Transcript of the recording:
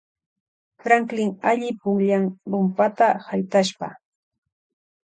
Franklin alli pukllan rumpata haytashpa.